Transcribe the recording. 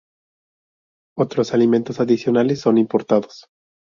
Otros alimentos adicionales son importados.